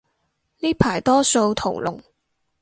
呢排多數屠龍